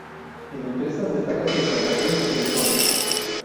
En empresas destaca su implantación en Telefónica.